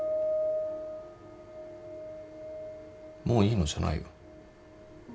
もういいのじゃないよ。